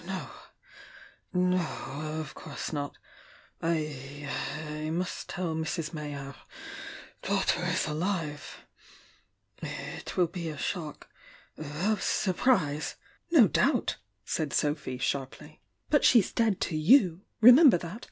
"No— no — of course not!— I— I must tell Mrs. May our daughter is alive— it will be a shock— of RUin rinc "No doubt!" said Sophy, sharply. "But she's dead to you! Remember that!